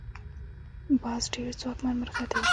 باز ډیر ځواکمن مرغه دی